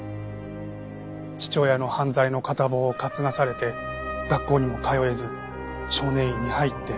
父親の犯罪の片棒を担がされて学校にも通えず少年院に入って。